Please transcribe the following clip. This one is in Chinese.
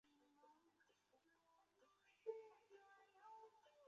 拉利佐尔人口变化图示